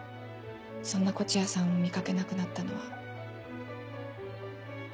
そんな東風谷さんを見かけなくなったのは。